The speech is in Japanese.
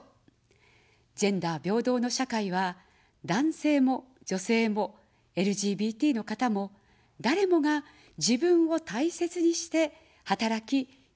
ジェンダー平等の社会は、男性も女性も、ＬＧＢＴの方も、誰もが自分を大切にして働き、生きることのできる社会です。